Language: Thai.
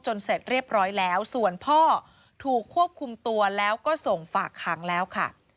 เสร็จเรียบร้อยแล้วส่วนพ่อถูกควบคุมตัวแล้วก็ส่งฝากขังแล้วค่ะ